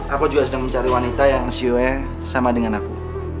aku juga sedang mencari wanita yang icua sama dengan aku